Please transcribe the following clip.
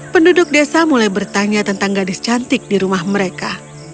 penduduk desa mulai bertanya tentang gadis cantik di rumah mereka